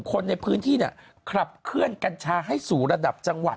คนในพื้นที่เนี่ยขับเคลื่อนกัญชาให้สู่ระดับจังหวัด